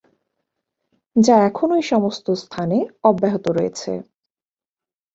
যা এখনো এ সমস্ত স্থানে অব্যহত রয়েছে।